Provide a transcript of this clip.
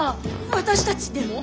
私たちでも？